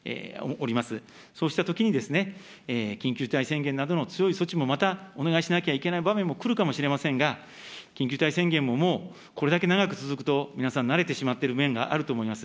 そうしたときに、緊急事態宣言などの強い措置もまたお願いしなきゃいけない場面も来るかもしれませんが、緊急事態宣言ももうこれだけ長く続くと、皆さん慣れてしまっている面があると思います。